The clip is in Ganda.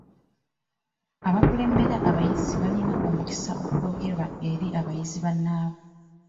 Abakulembera abayizi balina omukisa okwogera eri bayizi bannaabwe.